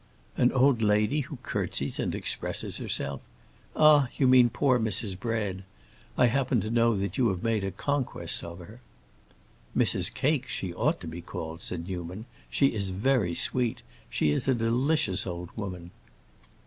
"An old lady who curtsies and expresses herself?... Ah, you mean poor Mrs. Bread. I happen to know that you have made a conquest of her." "Mrs. Cake, she ought to be called," said Newman. "She is very sweet. She is a delicious old woman."